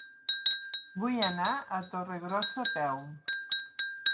Vull anar a Torregrossa a peu.